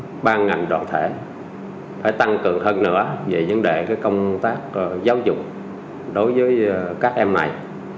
các ban ngành đoàn thể phải tăng cường hơn nữa về vấn đề công tác giáo dục đối với các em này